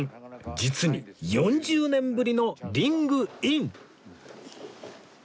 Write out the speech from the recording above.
実に４０年ぶりのリングイン！